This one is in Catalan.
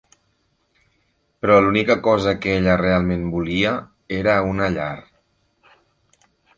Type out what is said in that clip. Però l'única cosa que ella realment volia era una llar.